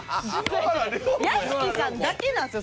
屋敷さんだけなんですよ